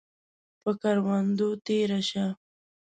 پۀ کروندو تیره شه